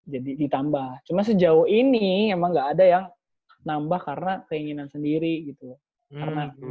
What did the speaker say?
jadi ditambah cuman sejauh ini emang gak ada yang nambah karena keinginan sendiri gitu loh